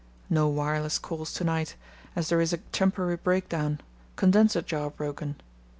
No wireless calls to night, as there is a temporary breakdown—condenser jar broken.